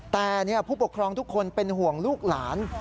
แต่ผู้ปกครองทุกคนเป็นห่วงลูกหลาน